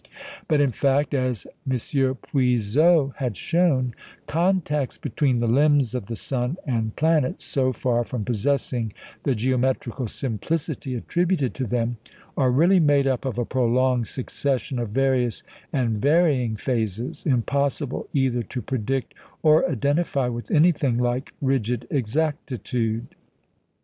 But in fact (as M. Puiseux had shown), contacts between the limbs of the sun and planet, so far from possessing the geometrical simplicity attributed to them, are really made up of a prolonged succession of various and varying phases, impossible either to predict or identify with anything like rigid exactitude.